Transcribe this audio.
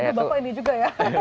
bapak ini juga ya